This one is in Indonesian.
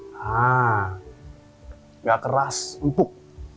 nah nggak keras empuk